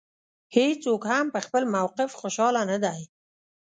هېڅوک هم په خپل موقف خوشاله نه دی.